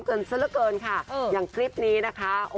ซะละเกินค่ะอย่างคลิปนี้นะคะ